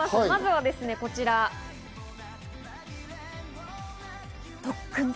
まずはこちら、特訓